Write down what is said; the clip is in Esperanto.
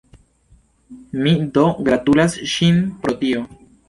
Mi do gratulas ŝin pro tio!